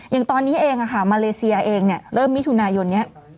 อย่างตอนนี้เองมาเลเซียเองเริ่มมิถุนายนนี้